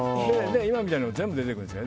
今みたいなのが全部出てくるんです。